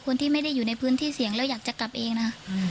คนที่ไม่ได้อยู่ในพื้นที่เสี่ยงแล้วอยากจะกลับเองนะ